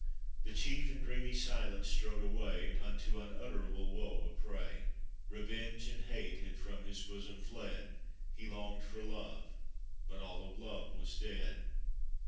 The chief in dreamy silence strode away, Unto unutterable woe a prey. Revenge and hate had from his bosom fled. He longed for love, but all of love was dead.